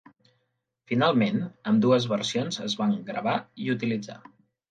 Finalment, ambdues versions es van gravar i utilitzar.